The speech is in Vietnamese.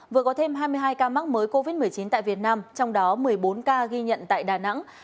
vừa có thêm hai mươi hai ca mắc mới covid một mươi chín tại việt nam trong đó một mươi bốn ca ghi nhận tại đà nẵng